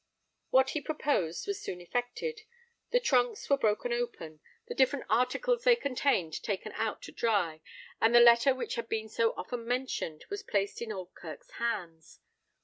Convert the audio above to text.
What he proposed was soon effected. The trunks were broken open, the different articles they contained taken out to dry, and the letter which had been so often mentioned was placed in Oldkirk's hands.